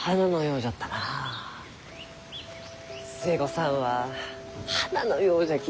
寿恵子さんは花のようじゃき。